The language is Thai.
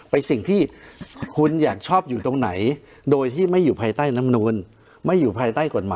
สิ่งที่คุณอยากชอบอยู่ตรงไหนโดยที่ไม่อยู่ภายใต้น้ำนูนไม่อยู่ภายใต้กฎหมาย